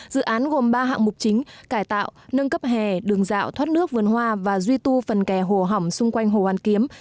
dự án gồm ba hạng mục chính cải tạo nâng cấp hè đường dạo thoát nước vườn hoa và duy tu phần kè hồ hỏng xung quanh hồ hoàn kiếm